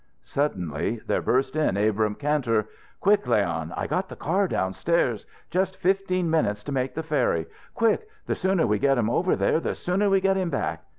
Suddenly there burst in Abrahm Kantor. "Quick, Leon! I got the car downstairs. Just fifteen minutes to make the ferry. Quick! The sooner we get him over there the sooner we get him back!